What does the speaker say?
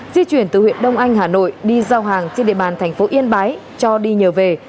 di chuyển từ huyện đông anh hà nội đi giao hàng trên địa bàn thành phố yên bái cho đi nhờ về